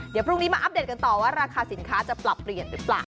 เดี๋ยวพรุ่งนี้มาอัปเดตกันต่อว่าราคาสินค้าจะปรับเปลี่ยนหรือเปล่า